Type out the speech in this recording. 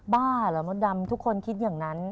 บ้าเหรอมดดำทุกคนคิดอย่างนั้น